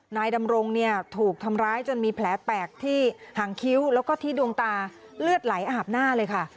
นายดำรงเนี่ยถูกทำร้ายจนมีแผลแตกที่หางคิ้วแล้วก็ที่ดวงตาเลือดไหลอาบหน้าเลยค่ะ